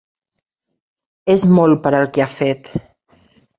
És molt per al que ha fet.